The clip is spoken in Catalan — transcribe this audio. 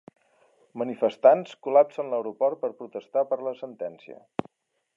Manifestants col·lapsen l'aeroport per protestar per la sentència